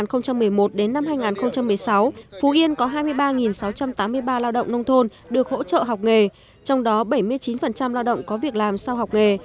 năm hai nghìn một mươi một đến năm hai nghìn một mươi sáu phú yên có hai mươi ba sáu trăm tám mươi ba lao động nông thôn được hỗ trợ học nghề trong đó bảy mươi chín lao động có việc làm sau học nghề